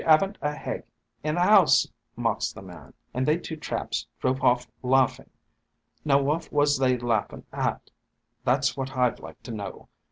'She 'ave n't a hege in the 'ouse,' mocks the man, an' they two chaps drove horf laughin'. Now wot was they laughin' hat, that 's wot Hi 'd like to know?